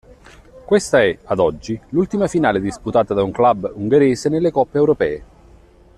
Questa è, ad oggi, l'ultima finale disputata da un club ungherese nelle coppe europee.